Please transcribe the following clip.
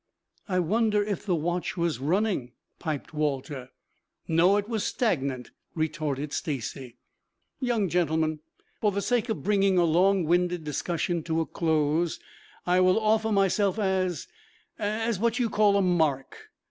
"I wonder if the watch was running?" piped Walter. "No, it was stagnant," retorted Stacy. "Young gentlemen, for the sake of bringing a long winded discussion to a close, I will offer myself as as what you call a 'mark.'